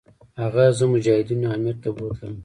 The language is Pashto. هغه زه مجاهدینو امیر ته بوتلم.